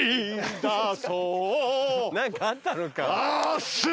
何かあったのか？